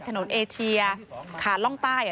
ถนนเอเชียขาดร่องใต้